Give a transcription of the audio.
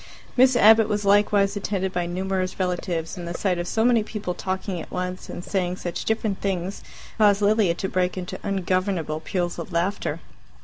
Miss Abbott was likewise attended by numerous relatives, and the sight of so many people talking at once and saying such different things caused Lilia to break into ungovernable peals of laughter.